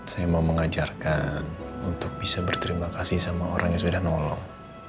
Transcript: saya mau mengajarkan untuk bisa berterima kasih sama orang yang sudah nolong